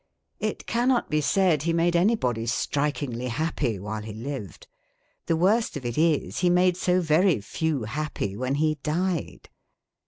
It cannot be said he made anybody strikingly happy while he lived. The worst of it is, he made so very few happy when he died.